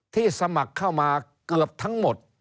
สมัครเข้ามาเกือบทั้งหมด